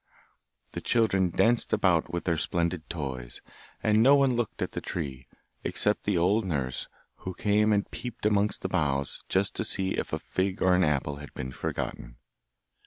The children danced about with their splendid toys, and no one looked at the tree, except the old nurse, who came and peeped amongst the boughs, just to see if a fig or an apple had been forgotten.